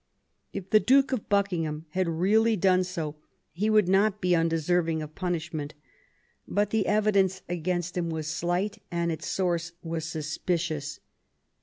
If the Duke of Buckingham had really done so, he would not be undeserving of punish ment ; but the evidence against him was slight, and its source was suspicious.